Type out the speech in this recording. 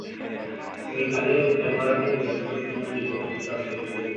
এইকালে উত্তর-ভারতে একজন শক্তিমান দিব্য পুরুষের আবির্ভাব হইয়াছিল।